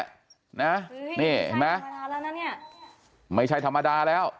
นะนี่เห็นไหมไม่ใช่ธรรมดาแล้วเนี้ยไม่ใช่ธรรมดาแล้ว